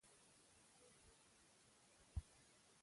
درناوی د ګډ ژوند اساس دی.